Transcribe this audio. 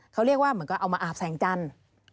เขาเรียกว่าเอามาอาบแสงจันทร์